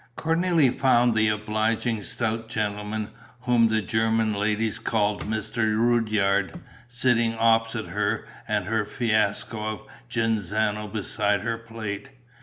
Cornélie found the obliging stout gentleman, whom the German ladies called Mr. Rudyard, sitting opposite her and her fiasco of Genzano beside her plate.